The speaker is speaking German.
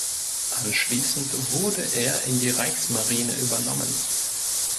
Anschließend wurde er in die Reichsmarine übernommen.